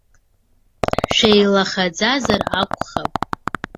Шәеилахаӡазар акәхап?